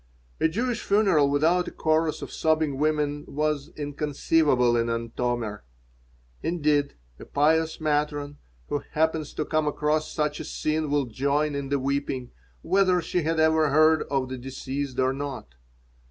A Jewish funeral without a chorus of sobbing women was inconceivable in Antomir. Indeed, a pious matron who happens to come across such a scene will join in the weeping, whether she had ever heard of the deceased or not.